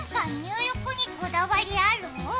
なんか入浴にこだわりある？